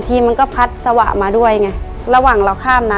ในแคมเปญพิเศษเกมต่อชีวิตโรงเรียนของหนู